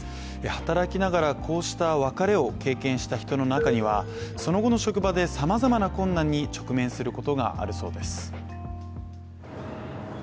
働きながら、こうした別れを経験した人の中にはその後の職場でさまざまな困難に直面することがあるそうです。